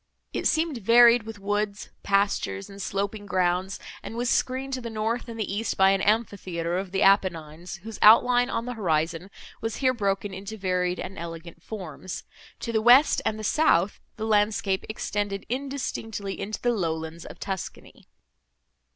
It seemed varied with woods, pastures, and sloping grounds, and was screened to the north and the east by an amphitheatre of the Apennines, whose outline on the horizon was here broken into varied and elegant forms; to the west and the south, the landscape extended indistinctly into the lowlands of Tuscany.